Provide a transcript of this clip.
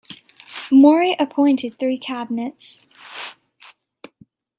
Mori appointed three cabinets.